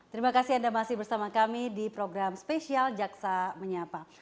terima kasih anda masih bersama kami di program spesial jaksa menyapa